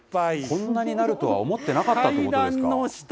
こんなになるとは思ってなかったということですか。